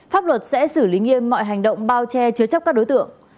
pháp luật sẽ xử lý nghiêm mọi hành động bao che chứa chấp các đối tượng